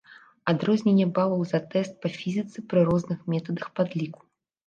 Адрозненне балаў за тэст па фізіцы пры розных метадах падліку.